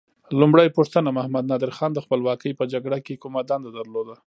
لومړۍ پوښتنه: محمد نادر خان د خپلواکۍ په جګړه کې کومه دنده درلوده؟